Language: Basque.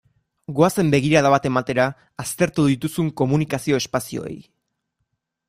Goazen begirada bat ematera aztertu dituzun komunikazio espazioei.